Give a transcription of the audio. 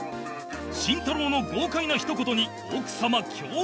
慎太郎の豪快な一言に奥様驚愕